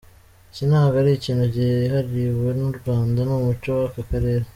Iki ntabwo ari ikintu cyihariwe n’u Rwanda, ni umuco w’aka karere.